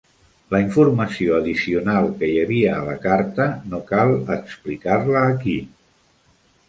La informació addicional que hi havia a la carta no cal explicar-la aquí.